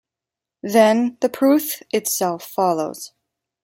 Then, the 'proof' itself follows.